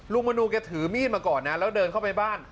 ลูกมนูแก้ถือมีดมาก่อนเนี่ยแล้วเดินเข้าไปบ้าน